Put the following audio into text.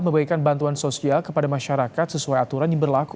memberikan bantuan sosial kepada masyarakat sesuai aturan yang berlaku